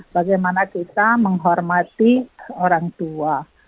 bagaimana kita menghormati orang tua